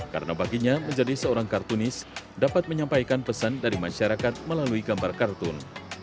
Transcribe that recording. karena baginya menjadi seorang kartunis dapat menyampaikan pesan dari masyarakat melalui gambar kartun